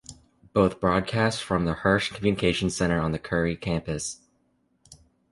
Both broadcast from the Hirsh Communication Center on the Curry campus.